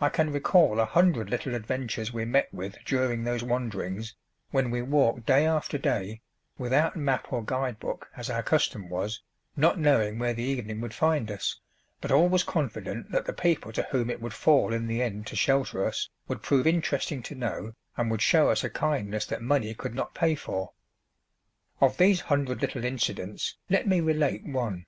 I can recall a hundred little adventures we met with during those wanderings, when we walked day after day, without map or guide book as our custom was, not knowing where the evening would find us, but always confident that the people to whom it would fall in the end to shelter us would prove interesting to know and would show us a kindness that money could not pay for. Of these hundred little incidents let me relate one.